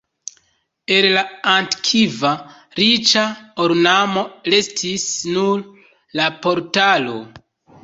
El la antikva riĉa ornamo restis nur la portalo.